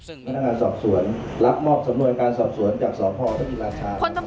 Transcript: พนักงานสอบสวนรับมองสำนวนการสอบสวนจากสอบภพดิรัชา